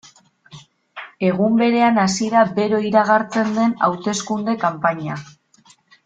Egun berean hasi da bero iragartzen den hauteskunde kanpaina.